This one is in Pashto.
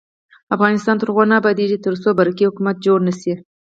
افغانستان تر هغو نه ابادیږي، ترڅو برقی حکومت جوړ نشي.